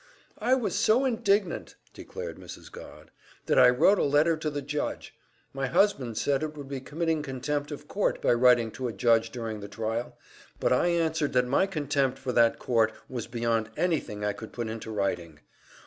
"I was so indignant," declared Mrs. Godd, "that I wrote a letter to the judge. My husband said I would be committing contempt of court by writing to a judge during the trial, but I answered that my contempt for that court was beyond anything I could put into writing.